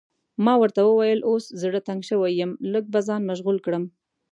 ما ورته وویل اوس زړه تنګ شوی یم، لږ به ځان مشغول کړم.